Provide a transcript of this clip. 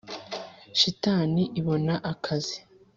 shitani ibona akazi